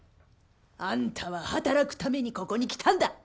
あんたは働くためにここに来たんだ！